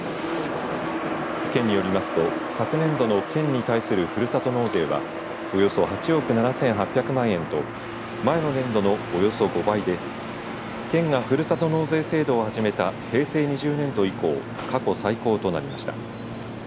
県によりますと昨年度の県に対するふるさと納税はおよそ８億７８００万円と前の年度のおよそ５倍で県がふるさと納税制度を始めた平成２０年度以降過去最高となりました。